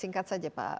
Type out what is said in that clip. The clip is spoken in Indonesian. berangkat saja pak mardi